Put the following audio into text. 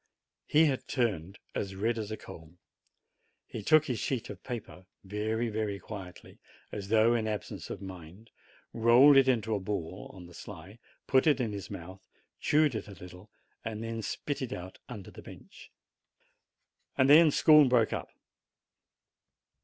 He had turned as red as a coal. He took his sheet of paper very, very quietly, as though in absence of mind, rolled tt into a ball, on the sly, put it into his mouth, chewed it a little, and then spit it out under the bench. Then school broke up.